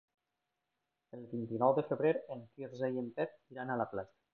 El vint-i-nou de febrer en Quirze i en Pep iran a la platja.